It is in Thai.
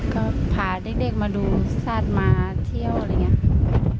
ก็พาเด็กมาดูสัตว์มาเที่ยวอะไรอย่างนี้